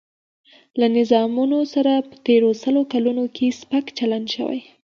له نظامونو سره په تېرو سلو کلونو کې سپک چلن شوی.